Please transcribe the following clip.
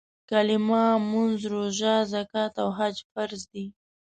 کلیمه، مونځ، روژه، زکات او حج فرض دي.